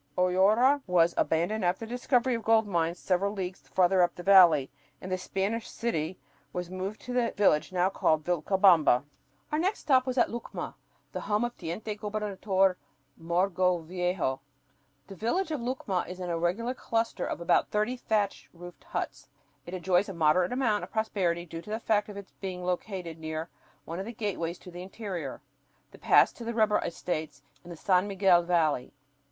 "Hoyara" was abandoned after the discovery of gold mines several leagues farther up the valley, and the Spanish "city" was moved to the village now called Vilcabamba. Our next stop was at Lucma, the home of Teniente Gobernador Mogrovejo. The village of Lucma is an irregular cluster of about thirty thatched roofed huts. It enjoys a moderate amount of prosperity due to the fact of its being located near one of the gateways to the interior, the pass to the rubber estates in the San Miguel Valley.